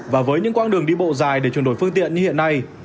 và với những quãng đường đi bộ dài để chuyển đổi phương tiện như hiện nay